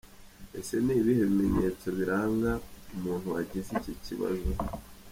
Ese ni ibihe bimenyetso biranga umuntuwagize iki kibazo?.